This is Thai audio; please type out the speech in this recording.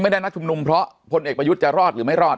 นัดชุมนุมเพราะพลเอกประยุทธ์จะรอดหรือไม่รอด